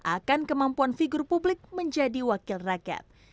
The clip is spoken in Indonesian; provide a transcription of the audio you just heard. akan kemampuan figur publik menjadi wakil rakyat